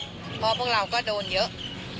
เพราะพวกเราก็โดนเยอะ